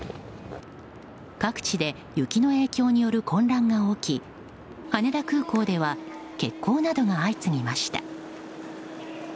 各地で雪の影響による混乱が起き羽田空港では欠航などが相次ぎました。